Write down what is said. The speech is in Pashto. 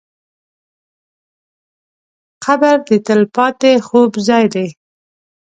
قبر د تل پاتې خوب ځای دی.